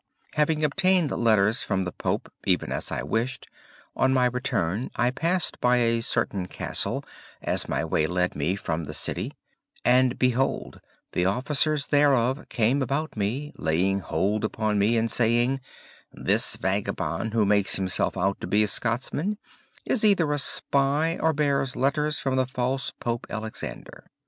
"'Having obtained letters from the pope, even as I wished, on my return I passed by a certain castle, as my way led me from the city; and behold the officers thereof came about me, laying hold upon me, and saying, "This vagabond who makes himself out to be a Scotchman is either a spy or bears letters from the false pope Alexander."